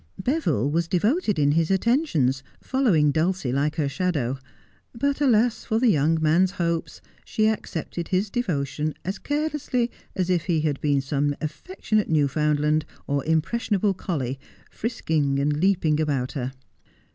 Beville was devoted in his attentions, following Dulcie like her shadow ; but, alas for the young man's hopes, she accepted his devotion as carelessly as if he had been some affectionate Newfoundland or impressionable collie, frisking and leaping about her.